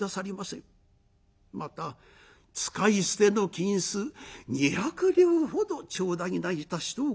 また使い捨ての金子２００両ほど頂戴いたしとう